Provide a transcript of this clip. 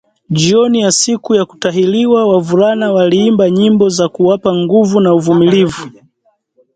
Jioni ya siku ya kutahiriwa, wavulana waliimba nyimbo za kuwapa nguvu na uvumilivu